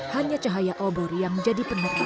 hanya cahaya obor yang menjadi penerbangan